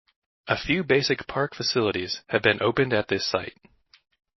A few basic park facilities have been opened at this site.